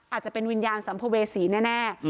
อาจจะเป็นวิญญาณสัมภเวษีแน่